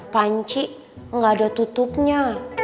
panci gak ada tutupnya